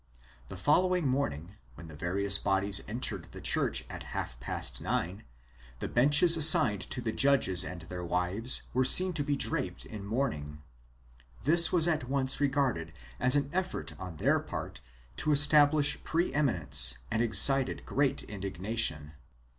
The following morning, wThen the various bodies entered the church at half past nine, the benches assigned to the judges and their wives were seen to be draped in mourning. This was at once regarded as an effort on their part to establish pre eminence and excited great indignation.